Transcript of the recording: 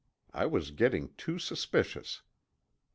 I was getting too suspicious.